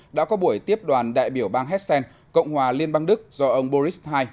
đã có buổi tiếp đoàn đại biểu bang hessen cộng hòa liên bang đức do ông boris ii